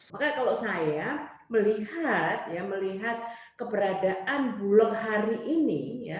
maka kalau saya melihat ya melihat keberadaan bulog hari ini ya